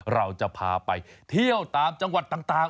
เราจะพาไปเที่ยวตามจังหวัดต่าง